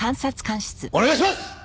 お願いします！